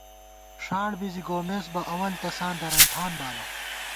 ݭاڑ بی زی گومېس بہ اول ، تساں درَنٹھان بالہ